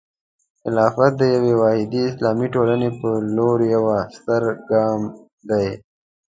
خلافت د یوې واحدې اسلامي ټولنې په لور یوه ستره ګام دی.